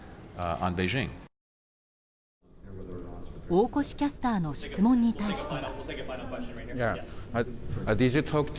大越キャスターの質問に対して。